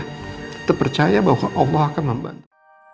kita percaya bahwa allah akan membantu